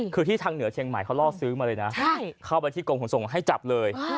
คือที่ทางเหนือเชียงใหม่เขาล่อซื้อมาเลยนะเข้าไปที่กรมขนส่งให้จับเลย